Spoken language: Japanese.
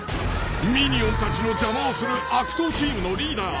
［ミニオンたちの邪魔をする悪党チームのリーダー］